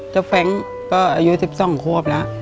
เจ้าแฟรงก์ก็อายุ๑๒ครบแล้ว